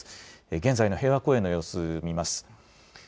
現在の平和公園の様子を見ます。